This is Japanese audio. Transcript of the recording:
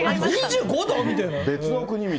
２５度？みたいな。